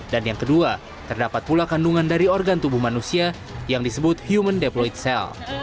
dan yang kedua terdapat pula kandungan dari organ tubuh manusia yang disebut human deployed cell